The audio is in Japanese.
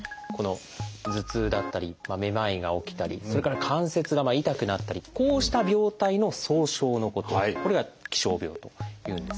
頭痛だったりめまいが起きたりそれから関節が痛くなったりこうした病態の総称のことこれが気象病というんですね。